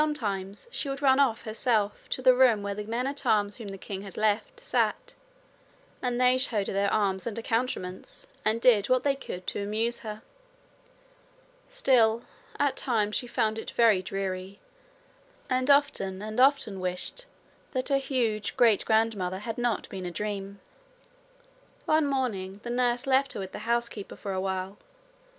Sometimes she would run off herself to the room where the men at arms whom the king had left sat, and they showed her their arms and accoutrements and did what they could to amuse her. Still at times she found it very dreary, and often and often wished that her huge great grandmother had not been a dream. One morning the nurse left her with the housekeeper for a while.